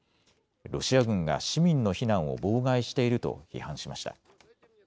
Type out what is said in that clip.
ロシア軍が市民の避難を妨害していると批判しました。